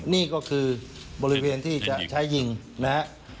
นี่ก็คือบริเวณที่จะใช้ยิงนะฮะ